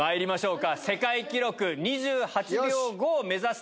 世界記録２８秒５を目指して。